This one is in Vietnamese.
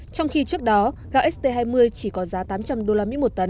trong khi trước đó gạo st hai mươi được bán với giá trên sáu trăm linh usd một tấn